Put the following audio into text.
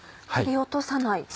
切り落とさない？